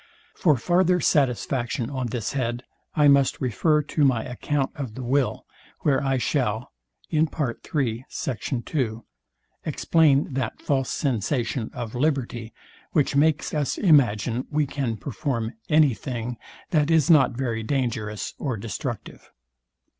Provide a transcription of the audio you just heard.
For farther satisfaction on this head I must refer to my account of the will, where I shall explain that false sensation of liberty, which makes us imagine we can perform any thing, that is not very dangerous or destructive.